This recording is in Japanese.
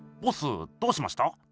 ボスどうしました？